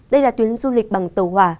đây là tuyến du lịch bằng tàu hỏa